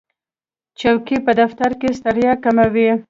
چوکۍ په دفتر کې ستړیا کموي.